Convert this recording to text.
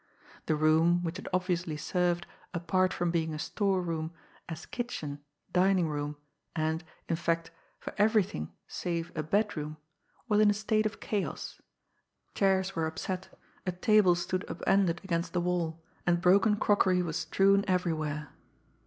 The room, which had obviously served, apart from being a store room, as kitchen, dining room, and, in fact, for everything save a bedroom, was in a state of chaos chairs were upset, a table stood up ended against the wall, aid broken crockery was strewn everywhere.